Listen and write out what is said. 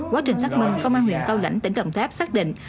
quá trình xác minh công an huyện cao lãnh tỉnh đồng tháp xác định